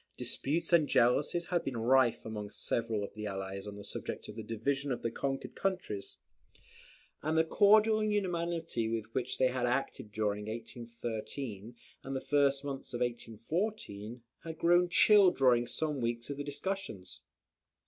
Disputes and jealousies had been rife among several of the Allies on the subject of the division of the conquered countries; and the cordial unanimity with which they had acted during 1813 and the first months of 1814, had grown chill during some weeks of discussions.